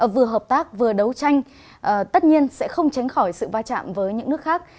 vừa hợp tác vừa đấu tranh tất nhiên sẽ không tránh khỏi sự va chạm với những nước khác